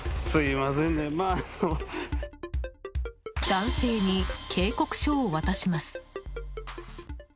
男性に警告書を渡します。